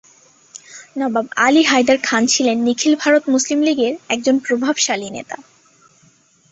নবাব আলী হায়দার খান ছিলেন নিখিল ভারত মুসলিম লীগের একজন প্রভাবশালী নেতা।